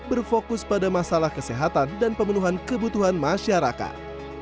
berfokus pada masalah kesehatan dan pemenuhan kebutuhan masyarakat